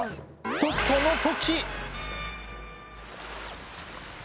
と、その時。